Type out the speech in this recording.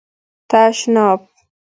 🚾 تشناب